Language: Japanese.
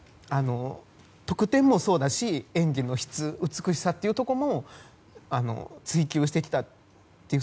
得点もそうだし演技の質、美しさというところも追求してきたという。